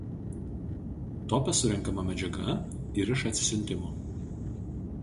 Tope surenkama medžiaga ir iš atsisiuntimų.